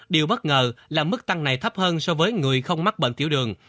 điều bất ngờ là mức tăng này thấp hơn so với người không mắc bệnh tiểu đường